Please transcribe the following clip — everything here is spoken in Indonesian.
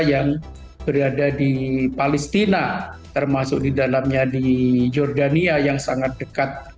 yang berada di palestina termasuk di dalamnya di jordania yang sangat dekat